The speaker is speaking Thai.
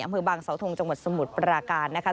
อำเภอบางสาวทงจังหวัดสมุทรปราการนะคะ